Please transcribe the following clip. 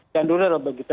dan rural begitu